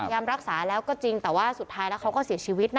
รักษาแล้วก็จริงแต่ว่าสุดท้ายแล้วเขาก็เสียชีวิตนะ